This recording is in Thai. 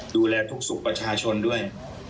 ดูแลทุกสุขประชาชนด้วย